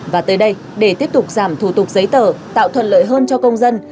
và tới đây để tiếp tục giảm thủ tục giấy tờ tạo thuận lợi hơn cho công dân